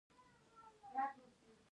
هغې د نازک زړه په اړه خوږه موسکا هم وکړه.